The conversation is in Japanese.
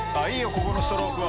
ここのストロークは。